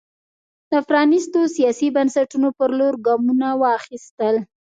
د پرانېستو سیاسي بنسټونو پر لور ګامونه واخیستل.